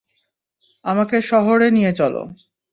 আমাকে শহরে নিয়ে চলো।